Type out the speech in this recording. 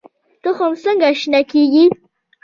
تخم څنګه شنه کیږي؟